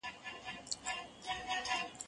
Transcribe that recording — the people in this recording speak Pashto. زه به موبایل کار کړی وي